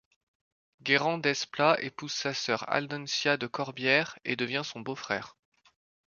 Guérant dez Pla épouse sa sœur Aldencia de Corbière et devient son beau-frère.